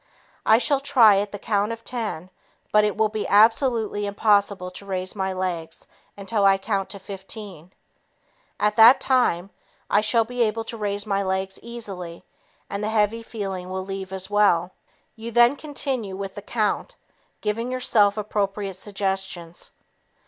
I shall try at the count of ten, but it will be absolutely impossible to raise my legs until I count to 15. At that time, I shall be able to raise my legs easily, and the heavy feeling will leave as well." You then continue with the count, giving yourself appropriate suggestions.